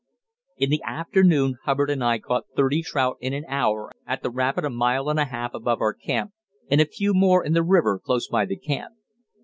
In the afternoon Hubbard and I caught thirty trout in an hour at the rapid a mile and a half above our camp, and a few more in the river close by the camp.